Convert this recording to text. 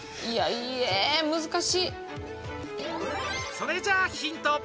それじゃあヒント。